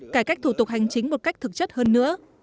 cải cách thủ tục hành chính một cách thực chất hơn nữa